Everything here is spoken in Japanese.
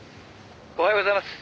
「おはようございます。